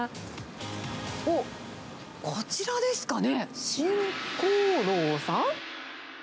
おっ、こちらですかね。